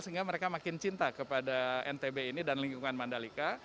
sehingga mereka makin cinta kepada ntb ini dan lingkungan mandalika